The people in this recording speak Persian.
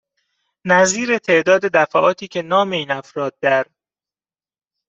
نظیر تعداد دفعاتی که نام این افراد در